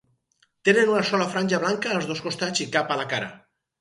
Tenen una sola franja blanca als dos costats i cap a la cara.